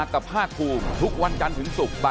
ครับ